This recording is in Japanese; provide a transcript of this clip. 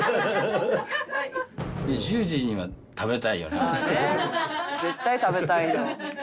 「ねっ絶対食べたいよ」